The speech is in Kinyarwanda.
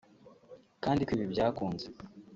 kandi ko ibi byakunze